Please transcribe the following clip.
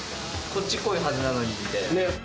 こっち濃いはずなのにみたいね。